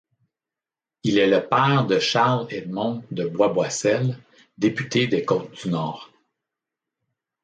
Il est le père de Charles-Edmond de Boisboissel, député des Côtes-du-Nord.